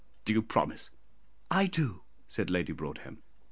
"Do you promise?" "I do," said Lady Broadhem.